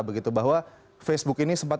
begitu bahwa facebook ini sempat